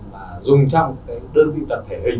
mà dùng trong một cái đơn vị tật thể hình